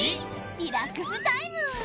リラックスタイム。